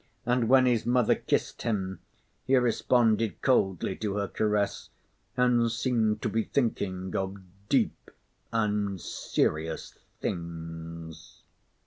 And when his mother kissed him, he responded coldly to her caress and seemed to be thinking of deep and serious things.